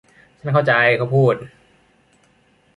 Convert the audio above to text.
ฉันเข้าใจ เขาพูด